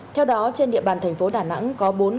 theo đó trên địa bàn tp đà nẵng có bốn cơ sở y tế